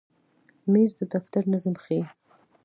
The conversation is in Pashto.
مېز د دفتر نظم ښیي.